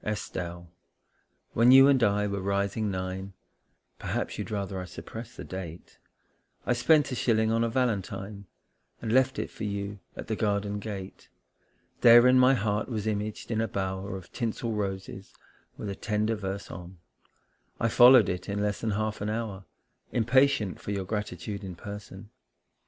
] ESTELLE, when you and I were rising nine Perhaps you'd rather I suppressed the date I spent a shilling on a valentine And left it for you at the garden gate. Therein my heart was imaged in a bower Of tinsel roses, with a tender verse on ; I followed it in less than half an hour Impatient for your gratitude in person.